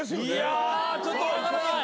ちょっと分からない！